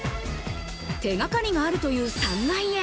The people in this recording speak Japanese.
手掛かりがあるという３階へ。